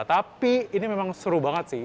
tapi ini memang seru banget sih